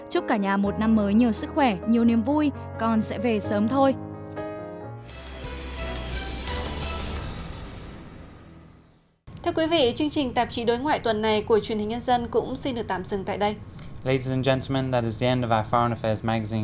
chúc cả nhà một năm mới nhiều sức khỏe nhiều niềm vui